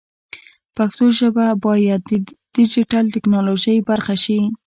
پښتو ژبه باید د ډیجیټل ټکنالوژۍ برخه شي.